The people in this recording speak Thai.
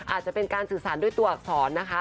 อาจจะเป็นการสื่อสารด้วยตัวอักษรนะคะ